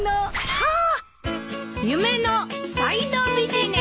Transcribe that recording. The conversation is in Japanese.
はあ！？